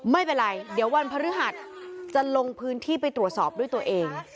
ไม่เป็นไรเดี๋ยววันพฤหัสจะลงพื้นที่ไปตรวจสอบด้วยตัวเอง